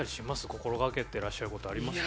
心掛けてらっしゃることあります？